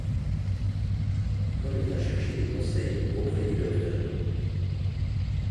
Paul vient chercher des conseils auprès du Dr.